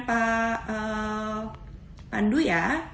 pak pandu ya